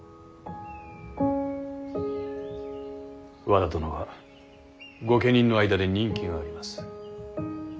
和田殿は御家人の間で人気があります。